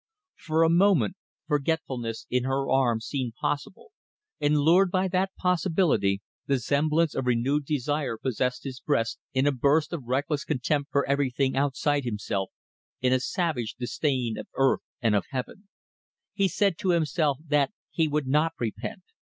For a moment, forgetfulness in her arms seemed possible; and lured by that possibility the semblance of renewed desire possessed his breast in a burst of reckless contempt for everything outside himself in a savage disdain of Earth and of Heaven. He said to himself that he would not repent.